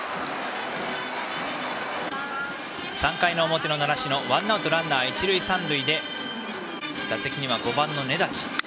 ３回の表の習志野ワンアウトランナー、一塁三塁で打席には５番の根立。